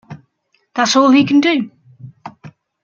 That's all he can do.